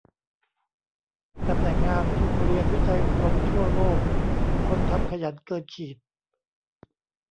ตำแหน่งงาน ทุนเรียน วิจัย อบรม ทั่วโลก คนทำขยันเกิดขีด